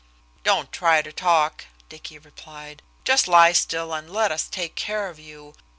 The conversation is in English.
"Don't try to talk," Dicky replied. "Just lie still and let us take care of you.